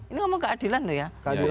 ini ngomong keadilan loh ya